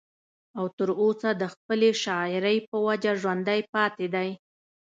او تر اوسه د خپلې شاعرۍ پۀ وجه ژوندی پاتې دی